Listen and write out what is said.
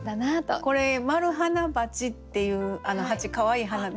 これ「マルハナバチ」っていう蜂かわいい花。